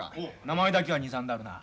名前だけは２３度あるな。